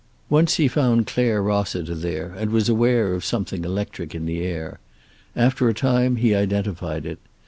Once he found Clare Rossiter there, and was aware of something electric in the air. After a time he identified it.